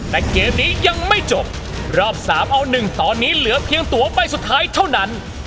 แต่เกมนี้ยังไม่จบรอบสามเอาหนึ่งตอนนี้เหลือเพียงตัวใบสุดท้ายเท่านั้น